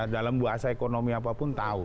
dalam bahasa ekonomi apapun tahu